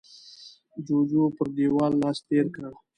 جوجو پر دېوال لاس تېر کړ.